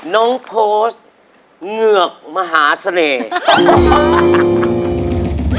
น้องโพสต์เหงือกมหาเสน่ห์